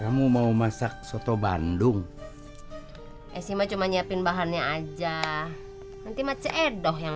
kamu mau masak soto bandung sma cuma nyiapin bahannya aja nanti mace edoh yang